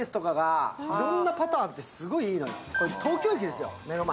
これ、東京駅ですよ、目の前。